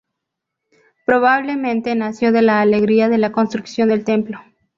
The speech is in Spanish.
Probablemente nació de la alegría de la construcción del templo.